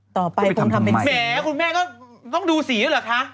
ต่อไปคงทำเป็นแหมคุณแม่ก็ต้องดูสีเหรอคะ